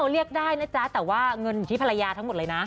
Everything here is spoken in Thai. เรียกได้นะจ๊ะแต่ว่าเงินอยู่ที่ภรรยาทั้งหมดเลยนะ